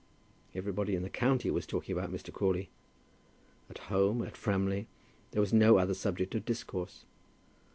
Everybody in the county was talking about Mr. Crawley. At home, at Framley, there was no other subject of discourse.